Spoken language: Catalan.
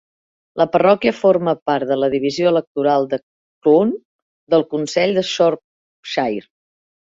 La parròquia forma part de la divisió electoral de Clun, del Consell de Shropshire.